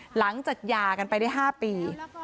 หลังจากหย่ากันไปได้๕ปี